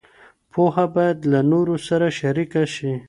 پوهه بايد له نورو سره شريکه شي.